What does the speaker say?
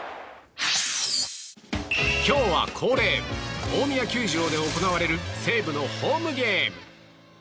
今日は恒例大宮球場で行われる西武のホームゲーム。